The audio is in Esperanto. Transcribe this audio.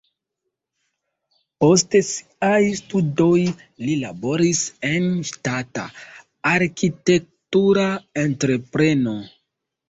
Post siaj studoj li laboris en ŝtata arkitektura entrepreno.